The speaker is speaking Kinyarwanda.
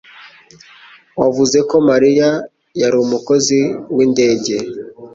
Wavuze ko Mariya yari umukozi windege.